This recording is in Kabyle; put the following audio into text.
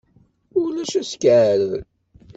Ulac askeɛrer.